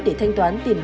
để thanh toán tiền bán